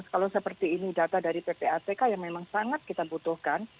kalau seperti ini data dari ppatk yang memang sangat kita butuhkan